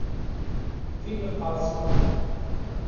Tin iqqerṣen.